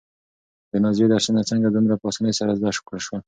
د نازيې درسونه څنګه دومره په اسانۍ سره زده شول؟